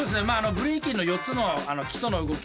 ブレイキンの４つの基礎の動き